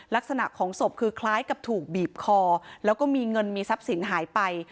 ลักษณะของศพคือคล้ายกับถูกบีบคอแล้วก็มีเงินมีทรัพย์สินหายไป